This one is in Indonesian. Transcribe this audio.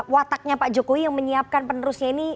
wataknya pak jokowi yang menyiapkan penerusnya ini